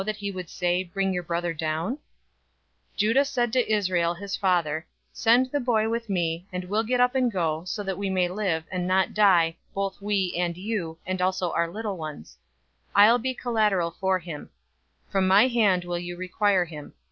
'" 043:008 Judah said to Israel, his father, "Send the boy with me, and we'll get up and go, so that we may live, and not die, both we, and you, and also our little ones. 043:009 I'll be collateral for him. From my hand will you require him.